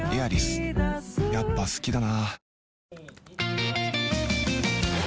やっぱ好きだな